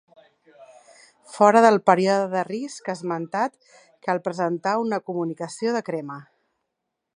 Fora del període de risc esmentat cal presentar una comunicació de crema.